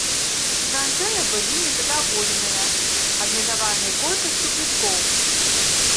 Жанчыны былі незадаволеныя абмежаванай колькасцю квіткоў.